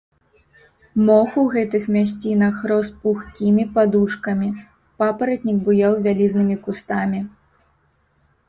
Мох у гэтых мясцінах рос пухкімі падушкамі, папаратнік буяў вялізнымі кустамі.